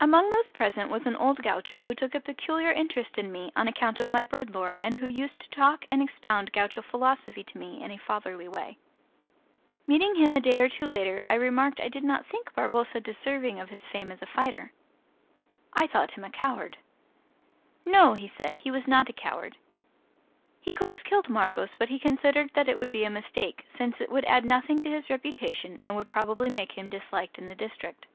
Among those present was an old gaucho who took a peculiar interest in me on account of my bird lore and who used to talk and expound gaucho philosophy to me in a fatherly way. Meeting him a day or two later I remarked I did not think Barboza deserving of his fame as a fighter. I thought him a coward. No, he said, he was not a coward. He could have killed Marcos, but he considered that it would be a mistake, since it would add nothing to his reputation and would probably make him disliked in the district.